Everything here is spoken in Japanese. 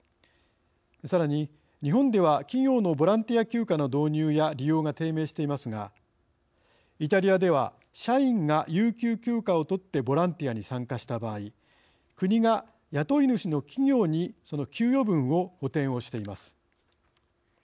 さらに日本では企業のボランティア休暇の導入や利用が低迷していますがイタリアでは社員が有給休暇をとってボランティアに参加した場合国が雇い主の企業にその給与分を補てんをしています。